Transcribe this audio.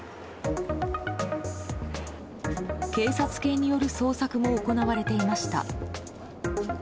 警察犬による捜索も行われていました。